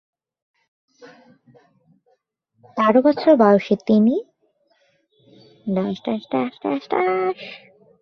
তেরো বছর বয়সে তিনি ঙ্গোর-এ-বাম-ছোস-ল্দান বৌদ্ধবিহারে দ্কোন-ম্ছোগ-'ফেল-বা নামক সপ্তম ঙ্গোর-ছেনের নিকট শিক্ষার্থীর শপথ গ্রহণ করেন।